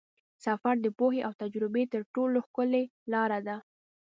سفر د پوهې او تجربې تر ټولو ښکلې لاره ده.